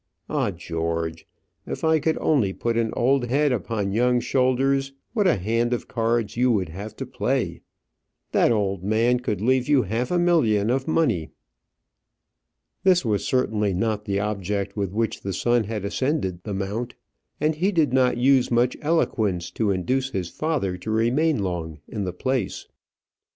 Ah, George! if I could only put an old head upon young shoulders, what a hand of cards you would have to play! That old man could leave you half a million of money!" This was certainly not the object with which the son had ascended the mount, and he did not use much eloquence to induce his father to remain long in the place.